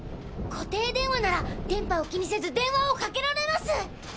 固定電話なら電波を気にせず電話をかけられます！